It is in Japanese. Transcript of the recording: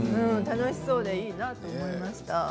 楽しそうでいいなと思いました。